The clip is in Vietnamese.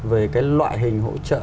về cái loại hình hỗ trợ